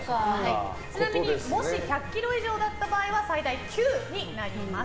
ちなみにもし１００キロ以上だった場合は最大９になります。